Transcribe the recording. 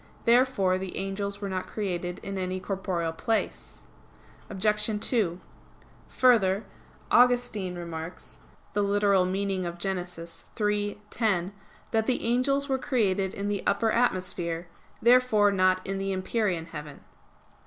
Therefore the angels were not created in any corporeal place. Obj. 2: Further, Augustine remarks (Gen. ad lit. iii, 10), that the angels were created in the upper atmosphere: therefore not in the empyrean heaven.